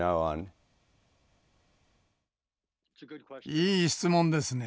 いい質問ですね。